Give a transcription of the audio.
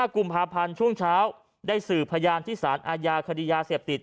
๒๕กุมภาพรรณช่วงเช้าได้สื่อพยานที่ศาลอาญาคดียาเสียบติด